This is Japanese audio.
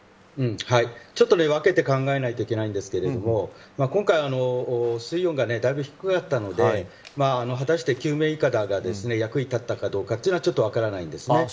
ちょっと分けて考えないといけないんですが今回は水温がだいぶ低かったので果たして、救命いかだが役に立ったかどうかは分からないんです。